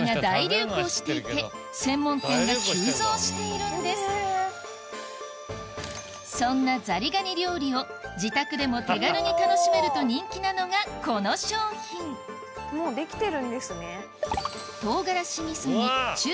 中国ではザリガニ料理がそんなザリガニ料理を自宅でも手軽に楽しめると人気なのがこの商品もうできてるんですね。